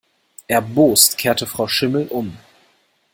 Erbost kehrte Frau Schimmel um.